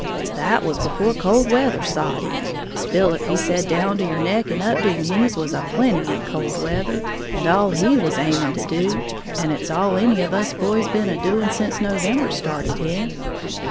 "That was before cold weather sot in. Philip he said down to your neck and up to your knees was a plenty in cold weather, and all he was aiming to do; and it's all any of us boys been a doing sence November started in."